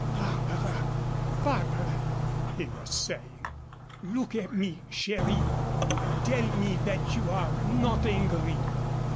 "Barbara! Barbara!" he was saying. "Look at me, chérie. Tell me that you are not angry.